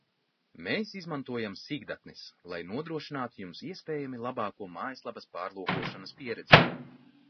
Mēs izmantojam sīkdatnes, lai nodrošinātu Jums iespējami labāko mājaslapas pārlūkošanas pieredzi